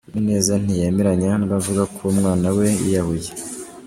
Uwineza ntiyemeranya n’abavuga ko umwana we yiyahuye.